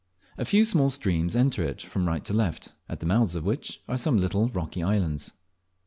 A few small streams enter it from right and left, at the mouths of which are some little rocky islands.